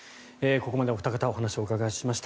ここまでお二方にお話をお伺いしました。